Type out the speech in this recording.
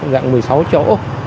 dạng một mươi sáu chỗ